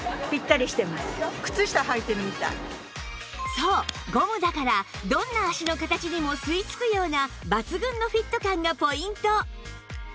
そうゴムだからどんな足の形にも吸い付くような抜群のフィット感がポイント